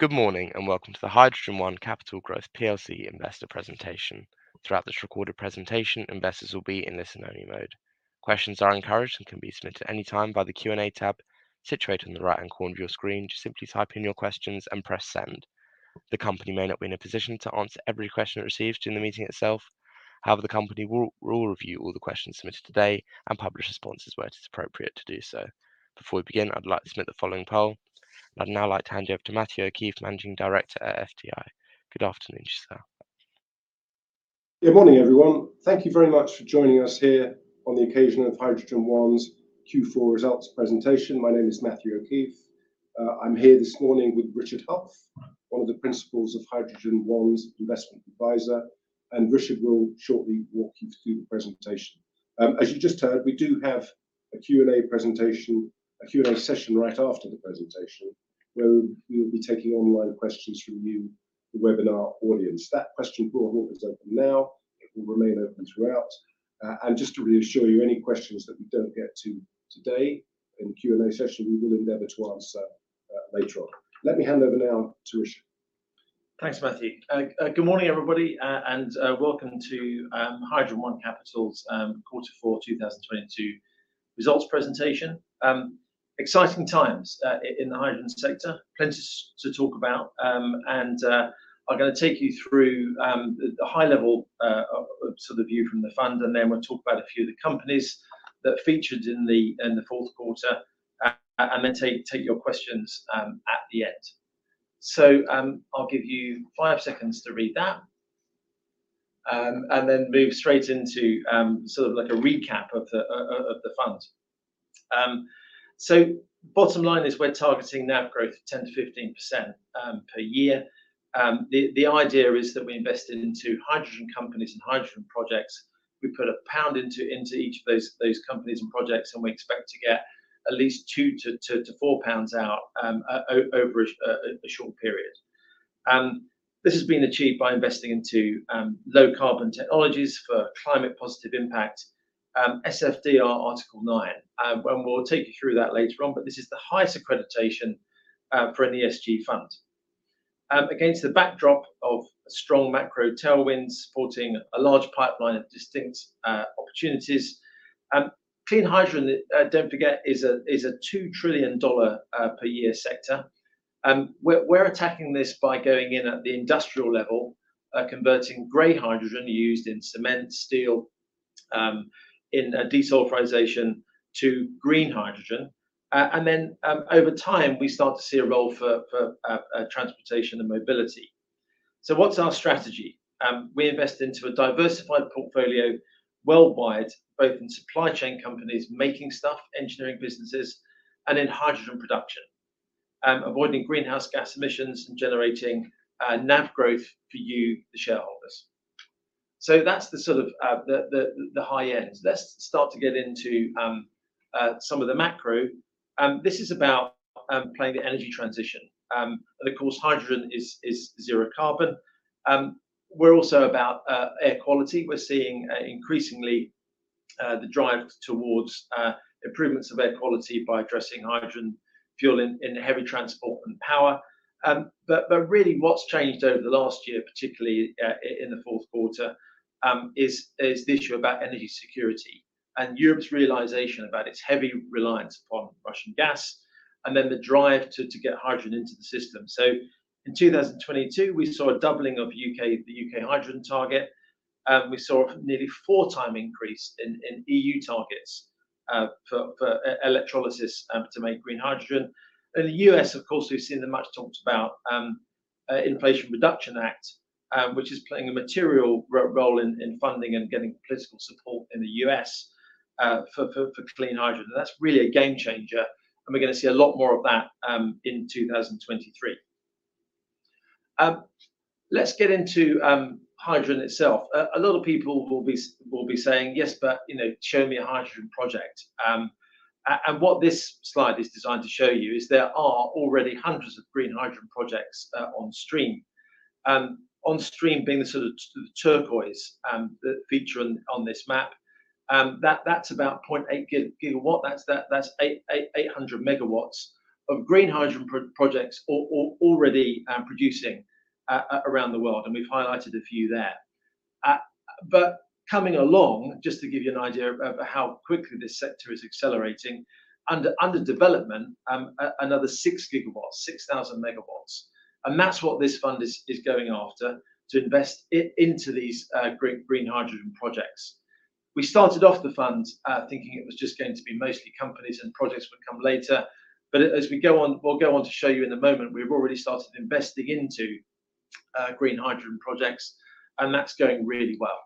,Good morning. Welcome to the HydrogenOne Capital Growth PLC Investor Presentation. Throughout this recorded presentation, investors will be in listen only mode. Questions are encouraged and can be submitted anytime by the Q&A tab situated in the right-hand corner of your screen. Just simply type in your questions and press Send. The company may not be in a position to answer every question it receives during the meeting itself. The company will review all the questions submitted today and publish responses where it is appropriate to do so. Before we begin, I'd like to submit the following poll. I'd now like to hand you over to Matthew O'Keeffe, Managing Director at FTI. Good afternoon, sir. Good morning, everyone. Thank Thank you very much for joining us here on the occasion of HydrogenOne's Q4 results presentation. My name is Matthew O'Keeffe. I'm here this morning with Richard Hulf, one of the principals of HydrogenOne's investment advisor, and Richard will shortly walk you through the presentation. As you just heard, we do have a Q&A session right after the presentation where we will be taking online questions from you, the webinar audience. That question portal is open now, it will remain open throughout. Just to reassure you, any questions that we don't get to today in the Q&A session, we will endeavor to answer later on. Let me hand over now to Richard. Thanks, Matthew. Good morning, everybody, and welcome to HydrogenOne Capital's Q4 2022 results presentation. Exciting times in the hydrogen sector. Plenty to talk about. I'm gonna take you through the high level sort of view from the fund, and then we'll talk about a few of the companies that featured in the Q4, and then take your questions at the end. I'll give you five seconds to read that, and then move straight into sort of like a recap of the fund. Bottom line is we're targeting NAV growth of 10%-15% per year. The idea is that we invested into hydrogen companies and hydrogen projects. We put GBP 1 into each of those companies and projects, and we expect to get at least 2-4 pounds out over a short period. This has been achieved by investing into low carbon technologies for climate positive impact, SFDR Article 9. We'll take you through that later on, but this is the highest accreditation for an ESG fund. Against the backdrop of strong macro tailwinds supporting a large pipeline of distinct opportunities. Clean hydrogen, don't forget, is a $2 trillion per year sector. We're attacking this by going in at the industrial level, converting gray hydrogen used in cement, steel, in desulfurization to green hydrogen. Over time, we start to see a role for transportation and mobility. What's our strategy? We invest into a diversified portfolio worldwide, both in supply chain companies making stuff, engineering businesses, and in hydrogen production, avoiding greenhouse gas emissions and generating NAV growth for you, the shareholders. That's the sort of the high end. Let's start to get into some of the macro. This is about playing the energy transition. Of course, hydrogen is zero carbon. We're also about air quality. We're seeing increasingly the drive towards improvements of air quality by addressing hydrogen fuel in heavy transport and power. Really what's changed over the last year, particularly in the fourth quarter, is the issue about energy security and Europe's realization about its heavy reliance upon Russian gas, then the drive to get hydrogen into the system. In 2022, we saw a doubling of the U.K. hydrogen target. We saw a nearly 4x increase in EU targets, for electrolysis, to make green hydrogen. In the U.S., of course, we've seen the much talked about Inflation Reduction Act, which is playing a material role in funding and getting political support in the U.S., for clean hydrogen. That's really a game changer. We're gonna see a lot more of that in 2023. Let's get into hydrogen itself. A lot of people will be saying, "Yes, but, you know, show me a hydrogen project." What this slide is designed to show you is there are already hundreds of green hydrogen projects on stream. On stream being the sort of turquoise that feature on this map. That's about 0.8 GW. That's 800 MW of green hydrogen projects already producing around the world, and we've highlighted a few there. But coming along, just to give you an idea of how quickly this sector is accelerating, under development, another 6 GW, 6,000 MW. That's what this fund is going after to invest into these green hydrogen projects. We started off the fund, thinking it was just going to be mostly companies and projects would come later. As we go on, we'll go on to show you in a moment, we've already started investing into green hydrogen projects, and that's going really well.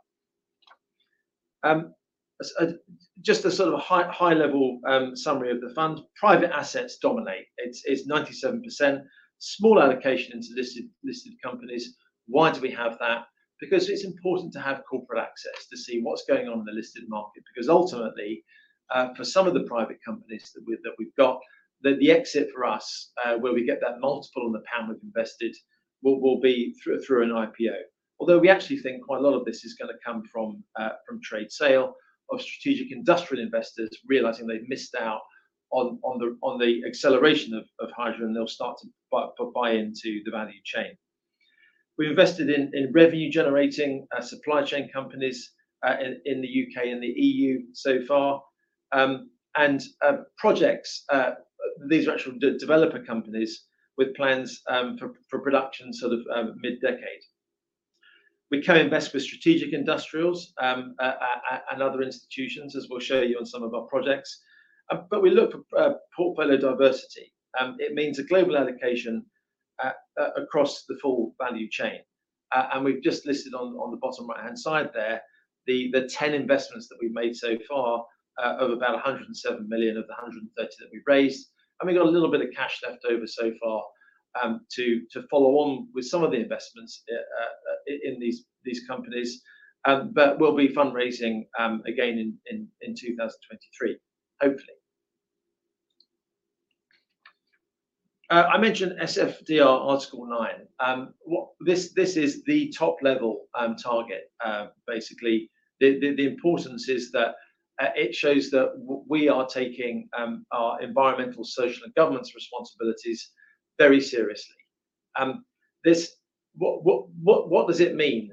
Just a sort of a high level summary of the fund. Private assets dominate. It's 97% small allocation into listed companies. Why do we have that? It's important to have corporate access to see what's going on in the listed market. Ultimately, for some of the private companies that we've got, the exit for us, where we get that multiple on the pound we've invested will be through an IPO. Although we actually think quite a lot of this is gonna come from trade sale of strategic industrial investors realizing they've missed out on the, on the acceleration of hydrogen, and they'll start to buy into the value chain. We've invested in revenue-generating, supply chain companies, in the U.K. and the EU so far. And, projects, these are actual developer companies with plans, for production sort of, mid-decade. We co-invest with strategic industrials, and other institutions, as we'll show you on some of our projects. But we look for, portfolio diversity. It means a global allocation across the full value chain. We've just listed on the bottom right-hand side there the 10 investments that we've made so far, of about 107 million of the 130 million that we've raised. We've got a little bit of cash left over so far, to follow on with some of the investments in these companies. We'll be fundraising again in 2023, hopefully. I mentioned SFDR Article 9. This is the top level target. Basically the importance is that it shows that we are taking our environmental, social, and governance responsibilities very seriously. What does it mean?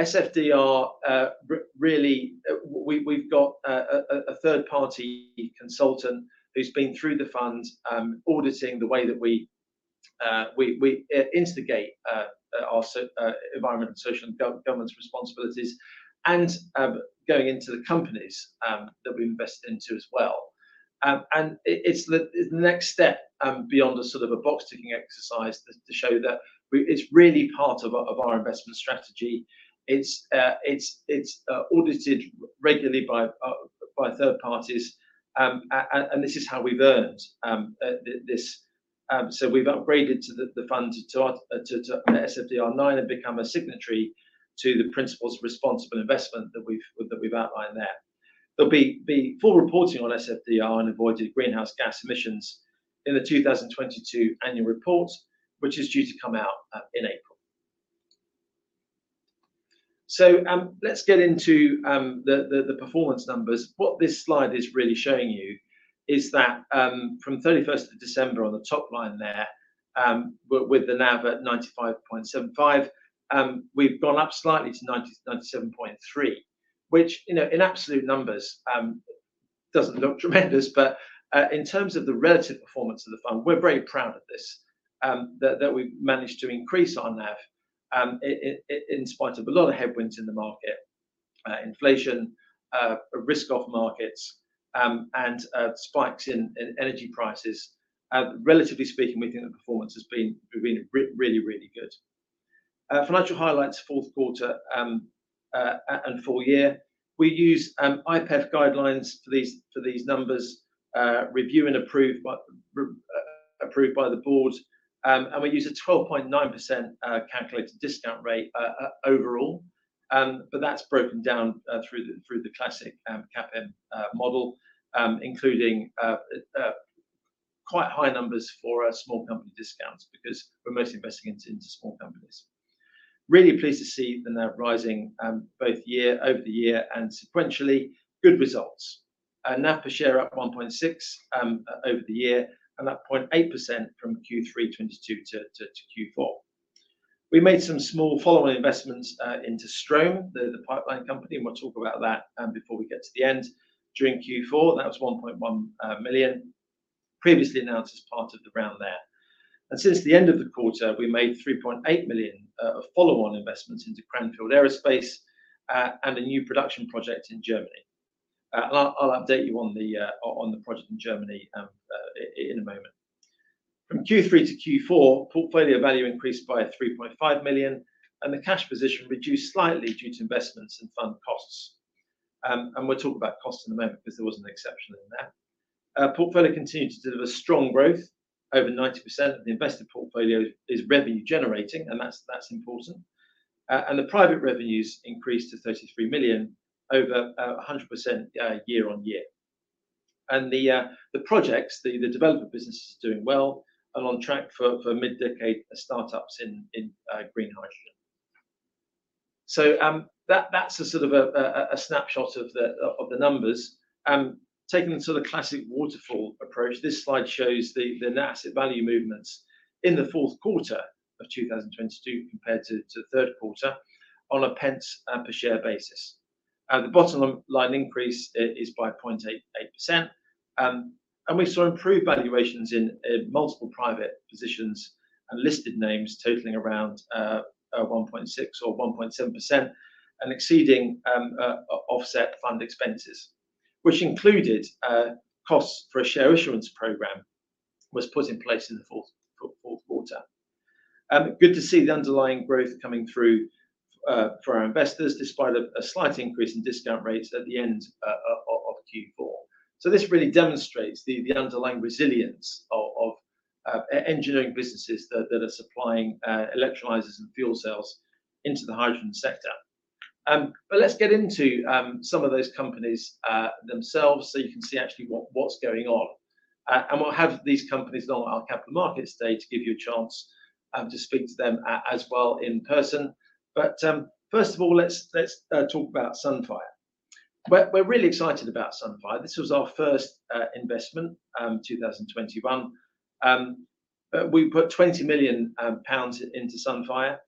SFDR, really, we've got a third-party consultant who's been through the fund, auditing the way that we instigate our environment and social and governance responsibilities and going into the companies that we invest into as well. It's the next step beyond a sort of a box-ticking exercise to show that it's really part of our investment strategy. It's audited regularly by third parties. This is how we've earned this. We've upgraded to the fund to SFDR 9 and become a signatory to the Principles for Responsible Investment that we've outlined there. There'll be full reporting on SFDR and avoided greenhouse gas emissions in the 2022 annual report, which is due to come out in April. Let's get into the performance numbers. What this slide is really showing you is that from 31st of December on the top line there, with the NAV at 95.75, we've gone up slightly to 99.73, which, you know, in absolute numbers, doesn't look tremendous. In terms of the relative performance of the fund, we're very proud of this, that we've managed to increase our NAV, in spite of a lot of headwinds in the market, inflation, risk of markets, and spikes in energy prices. Relatively speaking, we think the performance has been really good. Financial highlights, fourth quarter, full year. We use IPEV guidelines for these numbers, review and approved by the board. We use a 12.9% calculated discount rate overall. That's broken down through the classic CapEx model, including quite high numbers for small company discounts because we're mostly investing into small companies. Really pleased to see the NAV rising over the year and sequentially. Good results. NAV per share up 1.6% over the year, NAV 0.8% from Q3 2022 to Q4. We made some small follow-on investments into Strohm, the pipeline company, and we'll talk about that before we get to the end. During Q4, that was 1.1 million previously announced as part of the round there. Since the end of the quarter, we made 3.8 million of follow-on investments into Cranfield Aerospace and a new production project in Germany. I'll update you on the project in Germany in a moment. From Q3 to Q4, portfolio value increased by 3.5 million, and the cash position reduced slightly due to investments and fund costs. We'll talk about costs in a moment because there was an exception in that. Our portfolio continued to deliver strong growth. Over 90% of the invested portfolio is revenue generating, and that's important. The private revenues increased to 33 million over 100% year-on-year. The projects, the development business is doing well and on track for mid-decade startups in green hydrogen. That's a sort of a snapshot of the numbers. Taking the sort of classic waterfall approach, this slide shows the net asset value movements in Q4 2022 compared to Q3 on a pence per share basis. The bottom line increase is by 0.88%. We saw improved valuations in multiple private positions and listed names totaling around 1.6% or 1.7% and exceeding offset fund expenses, which included costs for a share issuance program was put in place in the fourth quarter. Good to see the underlying growth coming through for our investors, despite a slight increase in discount rates at the end of Q4. This really demonstrates the underlying resilience of engineering businesses that are supplying electrolyzers and fuel cells into the hydrogen sector. Let's get into some of those companies themselves so you can see actually what's going on. We'll have these companies on our capital markets day to give you a chance to speak to them as well in person. First of all, let's talk about Sunfire. We're really excited about Sunfire. This was our first investment, 2021. We put 20 million pounds into Sunfire.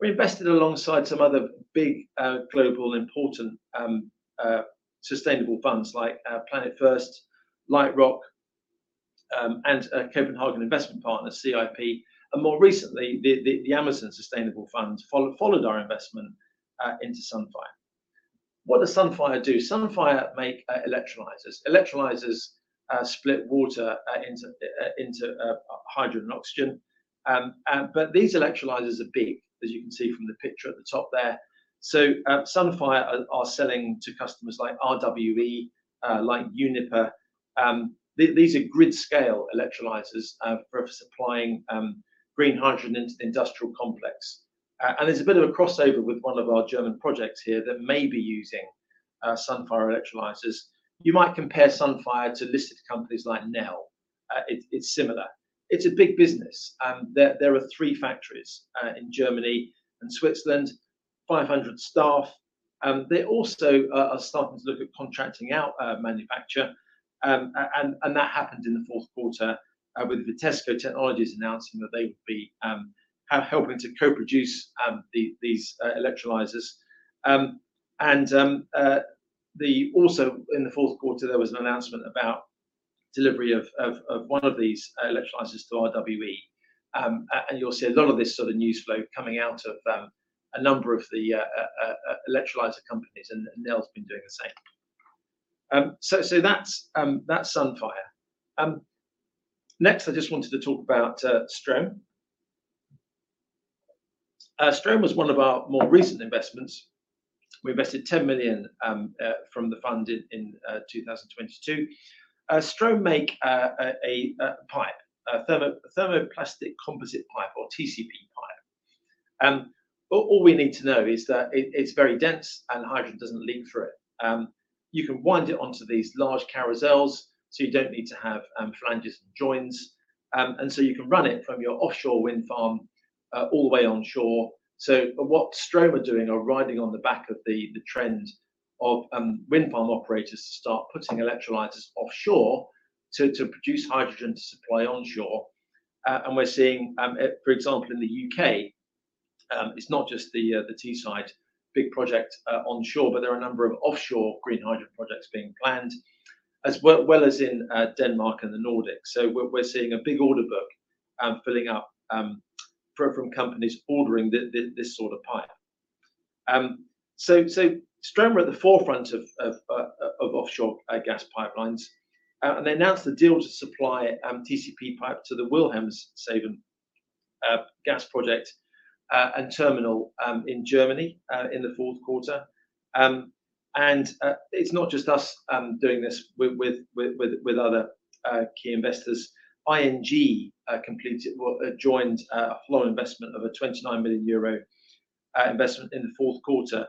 We invested alongside some other big, global important sustainable funds like Planet First Partners, Lightrock, and Copenhagen Infrastructure Partners, CIP, and more recently, the Amazon Climate Pledge Fund followed our investment into Sunfire. What does Sunfire do? Sunfire make electrolyzers. Electrolyzers split water into hydrogen and oxygen. But these electrolyzers are big, as you can see from the picture at the top there. Sunfire are selling to customers like RWE, like Uniper. These are grid-scale electrolyzers for supplying green hydrogen into the industrial complex. There's a bit of a crossover with one of our German projects here that may be using Sunfire electrolyzers. You might compare Sunfire to listed companies like Nel. It's similar. It's a big business, there are three factories in Germany and Switzerland, 500 staff. They also are starting to look at contracting out manufacture. That happened in the fourth quarter with Vitesco Technologies announcing that they would be helping to co-produce these electrolyzers. Also, in the fourth quarter, there was an announcement about delivery of one of these electrolyzers to RWE. You'll see a lot of this sort of news flow coming out of a number of the electrolyzer companies, and Nel's been doing the same. That's Sunfire. Next, I just wanted to talk about Strohm. Strohm was one of our more recent investments. We invested 10 million from the fund in 2022. Strohm make a thermoplastic composite pipe or TCP pipe. All we need to know is that it's very dense. Hydrogen doesn't leak through it. You can wind it onto these large carousels. You don't need to have flanges and joins. You can run it from your offshore wind farm all the way onshore. What Strohm are doing are riding on the back of the trend of wind farm operators to start putting electrolyzers offshore to produce hydrogen to supply onshore. We're seeing, for example, in the U.K., it's not just the Teesside big project onshore, but there are a number of offshore green hydrogen projects being planned, as well as in Denmark and the Nordics. We're seeing a big order book filling up from companies ordering this sort of pipe. Strohm are at the forefront of offshore gas pipelines. They announced a deal to supply TCP pipe to the Wilhelmshaven gas project and terminal in Germany in the fourth quarter. It's not just us doing this with other key investors. ING joined a follow investment of a 29 million euro investment in the fourth quarter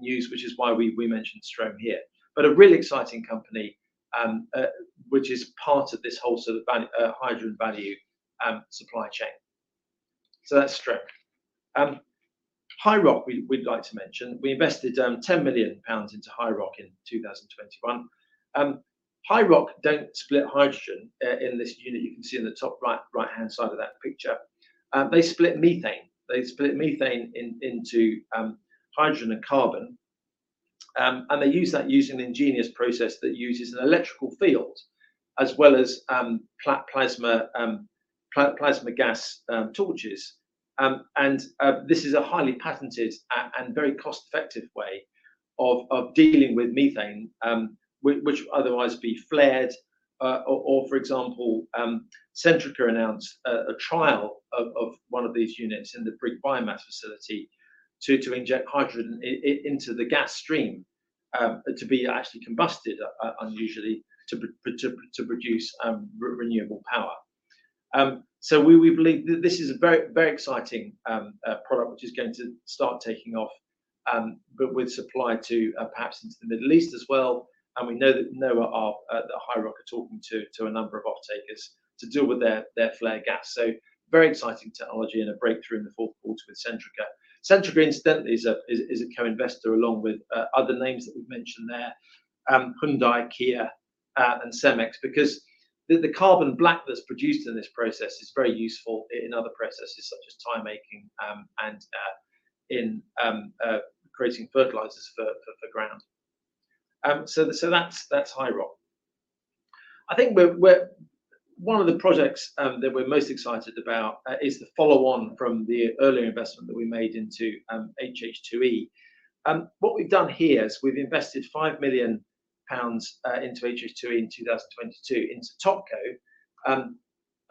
news, which is why we mentioned Strohm here. A really exciting company, which is part of this whole sort of hydrogen value supply chain. That's Strohm. HiiROC we'd like to mention. We invested 10 million pounds into HiiROC in 2021. HiiROC don't split hydrogen in this unit you can see in the top right-hand side of that picture. They split methane. They split methane into hydrogen and carbon, and they use that using an ingenious process that uses an electrical field as well as plasma gas torches. This is a highly patented and very cost-effective way of dealing with methane, which otherwise would be flared, or for example, Centrica announced a trial of one of these units in the Brigg biomass facility to inject hydrogen into the gas stream, to be actually combusted, unusually, to produce renewable power. We believe this is a very exciting product which is going to start taking off, but with supply perhaps into the Middle East as well. We know that Noah at HiiROC are talking to a number of off-takers to deal with their flared gas. Very exciting technology and a breakthrough in the fourth quarter with Centrica. Centrica, incidentally, is a co-investor along with other names that we've mentioned there, Hyundai, Kia, and CEMEX because the carbon black that's produced in this process is very useful in other processes such as tire making, and in creating fertilizers for ground. That's HiiROC. I think we're... One of the projects that we're most excited about is the follow on from the earlier investment that we made into HH2E. What we've done here is we've invested 5 million pounds into HH2E in 2022 into TopCo.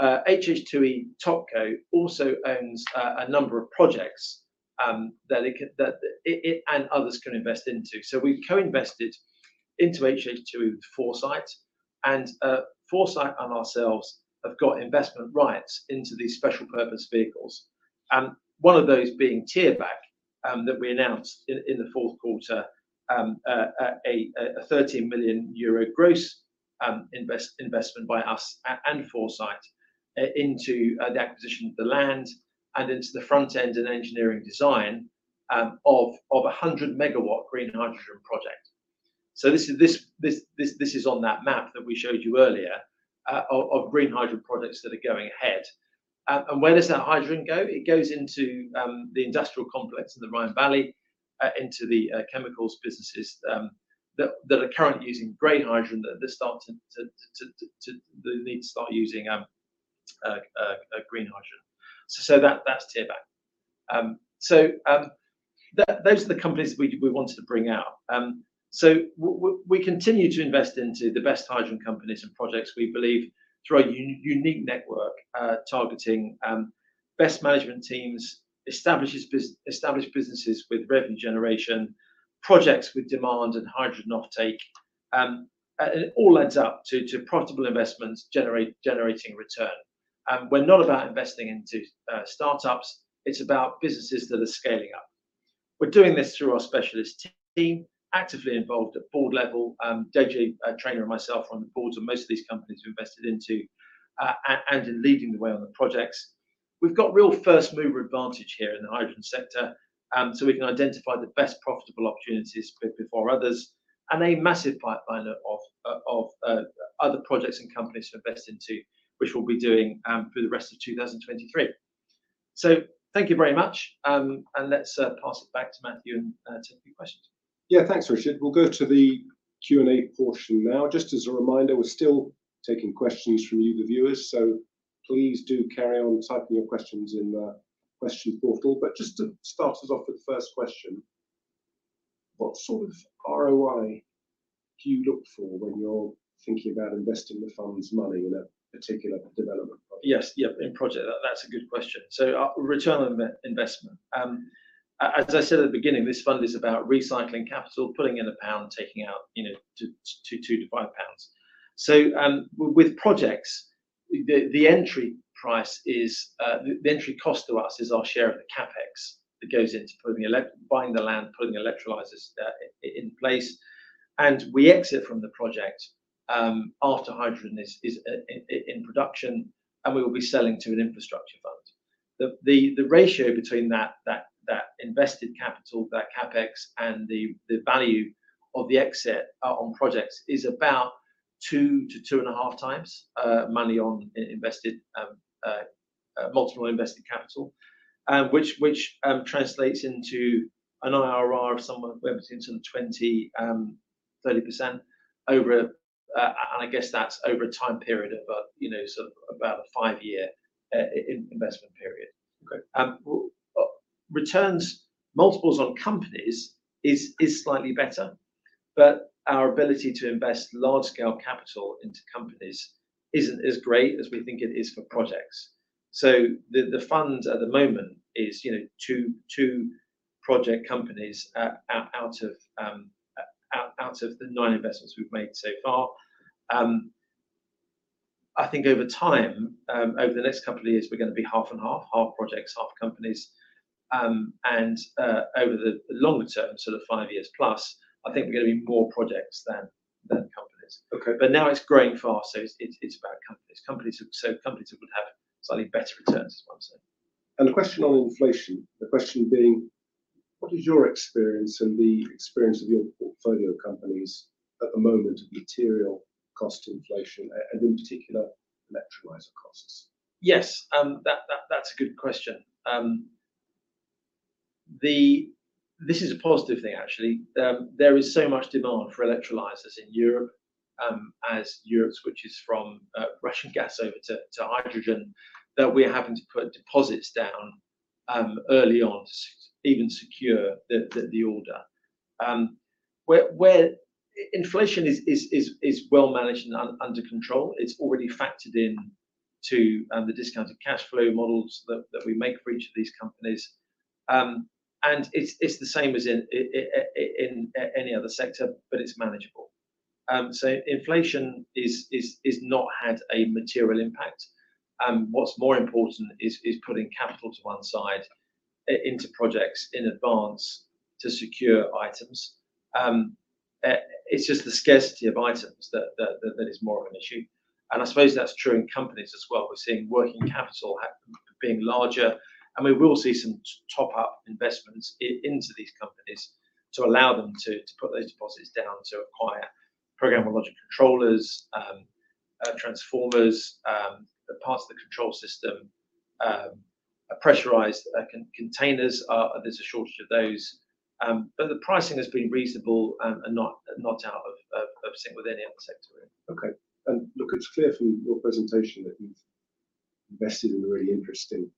HH2E (TopCo) also owns a number of projects that it can, that it and others can invest into. We co-invested into HH2E with Foresight. Foresight and ourselves have got investment rights into these special purpose vehicles. One of those being Thierbach, that we announced in the fourth quarter, a 13 million euro gross investment by us and Foresight into the acquisition of the land and into the Front-End Engineering Design of a 100 MW green hydrogen project. This is on that map that we showed you earlier, of Green hydrogen projects that are going ahead. Where does that hydrogen go? It goes into the industrial complex in the Rhine Valley, into the chemicals businesses that are currently using gray hydrogen that they're starting to... They need to start using green hydrogen. That's Thierbach. Those are the companies we wanted to bring out. We continue to invest into the best hydrogen companies and projects we believe through our unique network, targeting best management teams, established businesses with revenue generation, projects with demand and hydrogen offtake. It all adds up to profitable investments generating return. We're not about investing into startups, It's about businesses that are scaling up. We're doing this through our specialist team, actively involved at board level. Deji, Traynor and myself are on the boards of most of these companies we invested into, and in leading the way on the projects. We've got real first mover advantage here in the hydrogen sector, so we can identify the best profitable opportunities before others, and a massive pipeline of other projects and companies to invest into, which we'll be doing through the rest of 2023. Thank you very much, and let's pass it back to Matthew and take a few questions. Yeah. Thanks, Richard. We'll go to the Q&A portion now. Just as a reminder, we're still taking questions from you, the viewers. Please do carry on typing your questions in the question portal. Just to start us off with the first question, what sort of ROI do you look for when you're thinking about investing the fund's money in a particular development project? Yes. Yeah. In project. That's a good question. Return on investment. As I said at the beginning, this fund is about recycling capital, putting in a GBP, taking out, you know, 2-5 pounds. With projects, the entry price is the entry cost to us is our share of the CapEx that goes into buying the land, putting the electrolyzers in place. We exit from the project after hydrogen is in production, and we will be selling to an infrastructure fund. The ratio between that invested capital, that CapEx and the value of the exit on projects is about 2-2.5x money on invested multiple invested capital. Which translates into an IRR of somewhere between sort of 20, 30% over a, and I guess that's over a time period of a, you know, sort of about a five-year in-investment period. Okay. Returns, multiples on companies is slightly better. Our ability to invest large scale capital into companies isn't as great as we think it is for projects. The fund at the moment is, you know, two project companies out of the nine investments we've made so far. I think over time, over the next couple of years, we're gonna be half and half projects, half companies. Over the longer term, sort of five years+, I think we're gonna be more projects than companies. Okay. Now it's growing fast, it's about companies. Companies that would have slightly better returns is what I'm saying. A question on inflation. The question being: What is your experience and the experience of your portfolio companies at the moment of material cost inflation and in particular electrolyzer costs? Yes. That's a good question. This is a positive thing actually. There is so much demand for electrolyzers in Europe, as Europe switches from Russian gas over to hydrogen, that we're having to put deposits down early on to even secure the order. Where inflation is well managed and under control, it's already factored into the discounted cash flow models that we make for each of these companies. It's the same as in any other sector, but it's manageable. Inflation has not had a material impact. What's more important is putting capital to one side into projects in advance to secure items. It's just the scarcity of items that is more of an issue. I suppose that's true in companies as well. We're seeing working capital being larger, and we will see some top up investments into these companies to allow them to put those deposits down to acquire programmable logic controllers, transformers, parts of the control system, pressurized containers. There's a shortage of those. The pricing has been reasonable, and not, and not out of sync with any other sector, really. Okay. Look, it's clear from your presentation that you've invested in a really interesting bunch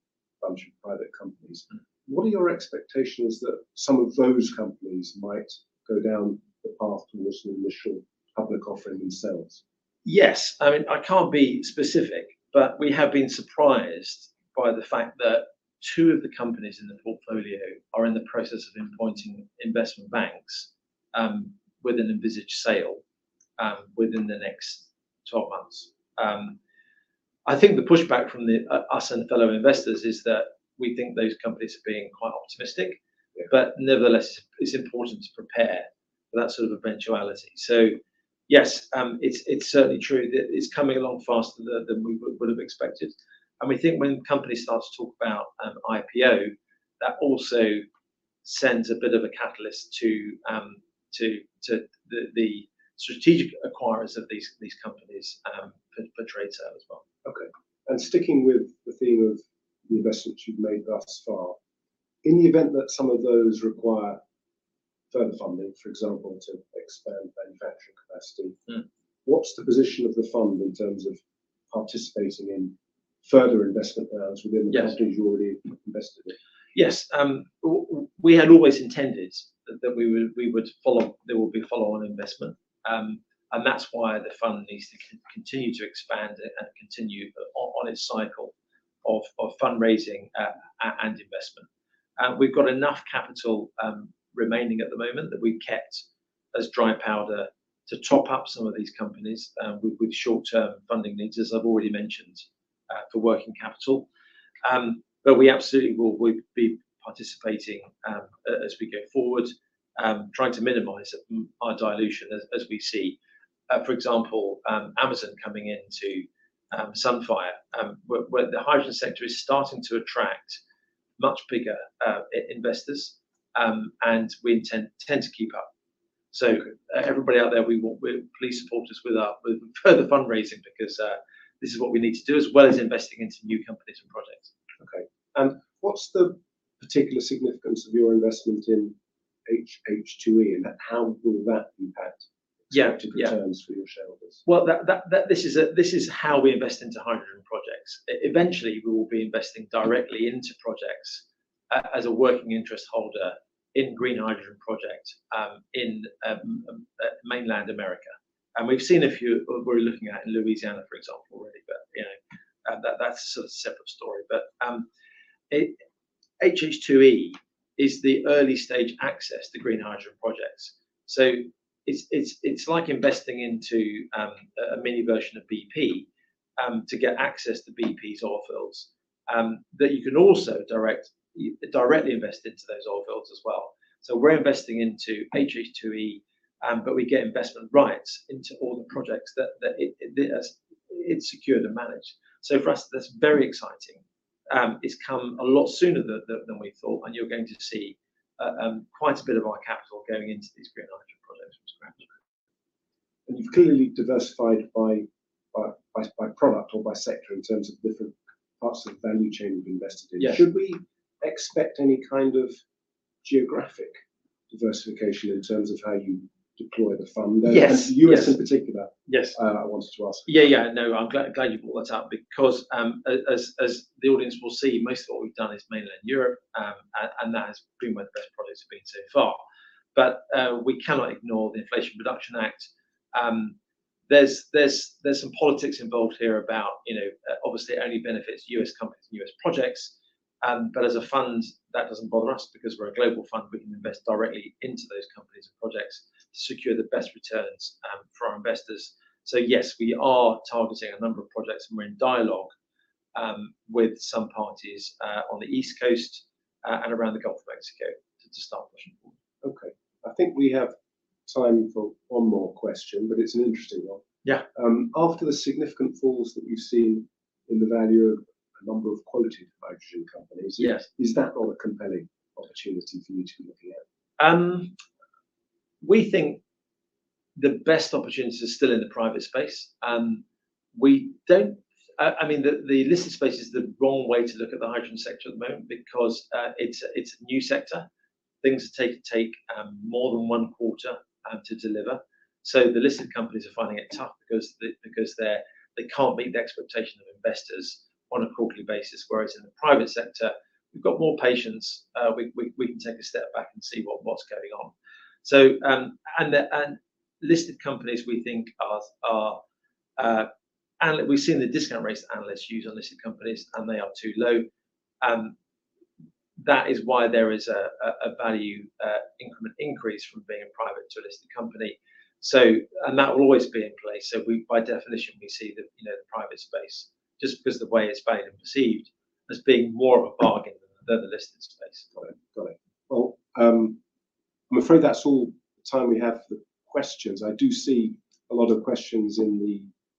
of private companies. Mm-hmm. What are your expectations that some of those companies might go down the path towards an initial public offering themselves? Yes. I mean, I can't be specific, but we have been surprised by the fact that two of the companies in the portfolio are in the process of appointing investment banks, with an envisaged sale. Within the next 12 months. I think the pushback from the us and fellow investors is that we think those companies are being quite optimistic. Yeah. Nevertheless, it's important to prepare for that sort of eventuality. Yes, it's certainly true that it's coming along faster than we would have expected. We think when companies start to talk about IPO, that also sends a bit of a catalyst to the strategic acquirers of these companies, for trade sale as well. Okay. Sticking with the theme of the investments you've made thus far, in the event that some of those require further funding, for example, to expand manufacturing capacity. Mm. What's the position of the fund in terms of participating in further investment rounds within-? Yes. companies you've already invested in? Yes. We had always intended that we would follow. There would be follow-on investment, and that's why the fund needs to continue to expand and continue on its cycle of fundraising and investment. We've got enough capital remaining at the moment that we've kept as dry powder to top up some of these companies with short-term funding needs, as I've already mentioned, for working capital. We absolutely will. We'd be participating as we go forward, trying to minimize our dilution as we see, for example, Amazon coming into Sunfire. Well, the hydrogen sector is starting to attract much bigger investors, and we intend to keep up. Okay. everybody out there, please support us with our further fundraising because this is what we need to do as well as investing into new companies and projects. Okay. What's the particular significance of your investment in HH2E, and how will that impact... Yeah. Yeah. expected returns for your shareholders? Well, this is how we invest into hydrogen projects. Eventually, we will be investing directly into projects as a working interest holder in green hydrogen projects in mainland America. We've seen a few. We're looking at, in Louisiana, for example, already. You know, that's a sort of separate story. HH2E is the early stage access to green hydrogen projects. It's like investing into a mini version of BP to get access to BP's oil fields that you can also directly invest into those oil fields as well. We're investing into HH2E, but we get investment rights into all the projects that it secure and manage. For us, that's very exciting. It's come a lot sooner than we thought. You're going to see quite a bit of our capital going into these green hydrogen projects from scratch. You've clearly diversified by product or by sector in terms of different parts of the value chain you've invested in. Yeah. Should we expect any kind of geographic diversification in terms of how you deploy the fund? Yes. Yes. I know it's the U.S. in particular... Yes.... I wanted to ask about. Yeah, yeah. No, I'm glad you brought that up because as the audience will see, most of what we've done is mainland Europe, and that has been where the best products have been so far. We cannot ignore the Inflation Reduction Act. There's some politics involved here about, you know, obviously it only benefits U.S. companies and U.S. projects. As a fund, that doesn't bother us because we're a global fund. We can invest directly into those companies and projects to secure the best returns for our investors. Yes, we are targeting a number of projects, and we're in dialogue with some parties on the East Coast and around the Gulf of Mexico to start pushing forward. Okay. I think we have time for one more question, but it's an interesting one. Yeah. After the significant falls that we've seen in the value of a number of quality hydrogen companies. Yes. is that not a compelling opportunity for you to be looking at? We think the best opportunities are still in the private space. We don't, I mean, the listed space is the wrong way to look at the hydrogen sector at the moment because it's a new sector. Things take more than one quarter to deliver. The listed companies are finding it tough because they're, they can't meet the expectation of investors on a quarterly basis, whereas in the private sector we've got more patience. We can take a step back and see what's going on. Listed companies we think are. We've seen the discount rates analysts use on listed companies, and they are too low. That is why there is a value increment increase from being a private to a listed company. That will always be in place. We, by definition, we see the, you know, the private space just because the way it's valued and perceived as being more of a bargain than the listed space. Got it. Got it. Well, I'm afraid that's all the time we have for questions. I do see a lot of questions in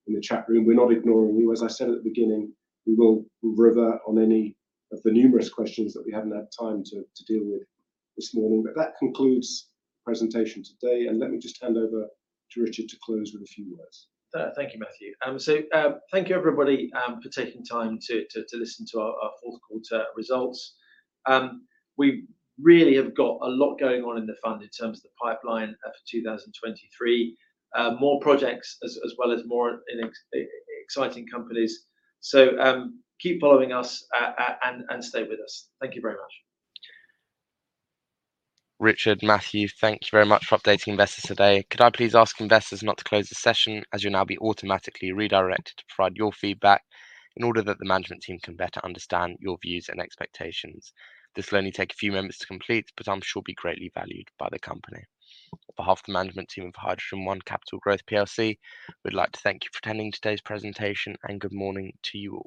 the chat room. We're not ignoring you. As I said at the beginning, we will revert on any of the numerous questions that we haven't had time to deal with this morning. That concludes the presentation today. Let me just hand over to Richard to close with a few words. Thank you, Matthew. Thank you everybody, for taking time to listen to our fourth quarter results. We really have got a lot going on in the fund in terms of the pipeline for 2023. More projects as well as more exciting companies. Keep following us and stay with us. Thank you very much. Richard, Matthew, thank you very much for updating investors today. Could I please ask investors not to close the session, as you'll now be automatically redirected to provide your feedback in order that the management team can better understand your views and expectations. This will only take a few moments to complete, but I'm sure will be greatly valued by the company. On behalf of the management team of HydrogenOne Capital Growth plc, we'd like to thank you for attending today's presentation. Good morning to you all.